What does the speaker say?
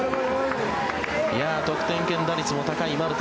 得点圏打率も高いマルテ。